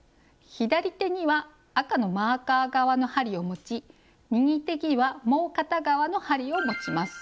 左手には赤のマーカー側の針を持ち右手にはもう片側の針を持ちます。